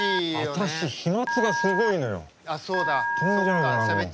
私、飛まつがすごいのよ！